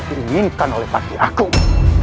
apa yang ku inginkan oleh fakih akuh istana ini